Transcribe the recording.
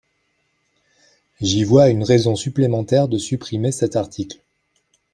J’y vois une raison supplémentaire de supprimer cet article.